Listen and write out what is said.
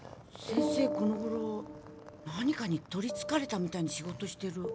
先生このごろ何かに取りつかれたみたいに仕事してる。